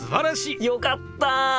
よかった！